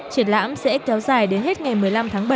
triển lãm sẽ kéo dài đến hết ngày một mươi năm tháng bảy